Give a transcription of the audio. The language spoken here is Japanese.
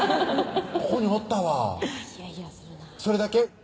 ここにおったわそれだけ？